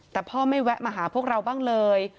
แต่พ่อไม่แวะมาหาพวกเราบ้างเลย